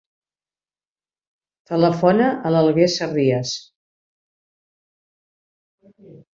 Telefona a l'Alguer Sarrias.